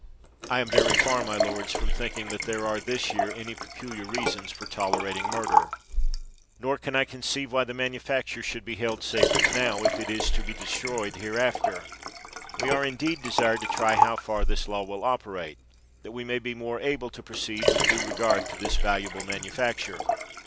I am very far, my lords, from thinking that there are, this year, any peculiar reasons for tolerating murder; nor can I conceive why the manufacture should be held sacred now, if it be to be destroyed hereafter. We are, indeed, desired to try how far this law will operate, that we may be more able to proceed with due regard to this valuable manufacture.